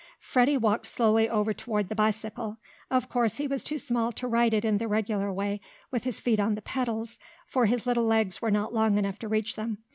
Freddie walked slowly over toward the bicycle. Of course he was too small to ride it in the regular way, with his feet on the pedals, for his little legs were not long enough to reach them.